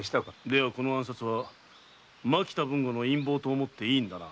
ではこの暗殺は蒔田豊後の陰謀と思っていいのだな。